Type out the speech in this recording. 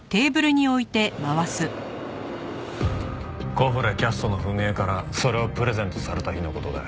コフレキャストの史江からそれをプレゼントされた日の事だよ。